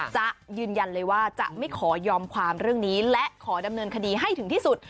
จะยืนยันเลยว่าจะไม่ขอยอมความเรื่องนี้และขอดำเนินคดีให้ถึงที่สุด